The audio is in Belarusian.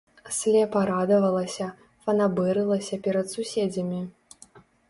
Слепа радавалася, фанабэрылася перад суседзямі.